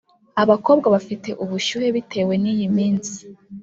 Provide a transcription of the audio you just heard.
Abakobwa bafite ubushyuhe bitewe niyiminsi